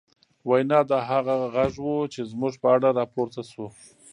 وينا، دا هغه غږ و، چې زموږ په اړه راپورته شو